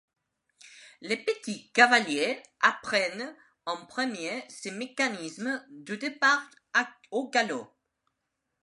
Les petits cavaliers apprennent en premier ce mécanisme de départ au galop.